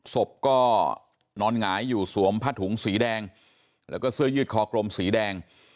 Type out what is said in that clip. ศพก็นอนหงายอยู่สวมผ้าถุงสีแดงแล้วก็เสื้อยืดคอกลมสีแดง